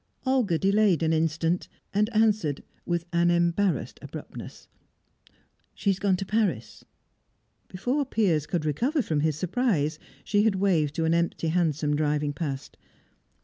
Olga delayed an instant, and answered with an embarrassed abruptness. "She's gone to Paris." Before Piers could recover from his surprise, she had waved to an empty hansom driving past.